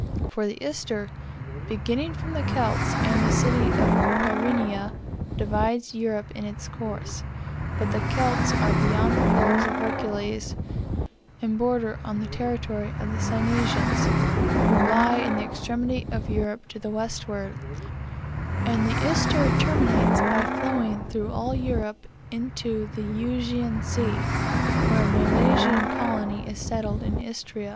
For the Ister, beginning from the Celts, and the city of Pyrene, divides Europe in its course; but the Celts are beyond the pillars of Hercules, and border on the territories of the Cynesians, who lie in the extremity of Europe to the westward; and the Ister terminates by flowing through all Europe into the Euxine Sea, where a Milesian colony is settled in Istria.